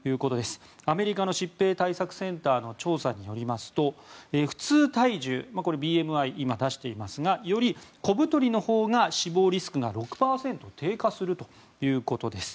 アメリカの疾病対策センターの調査によりますと普通体重、ＢＭＩ出していますが小太りのほうが死亡リスクが６％低下するということです。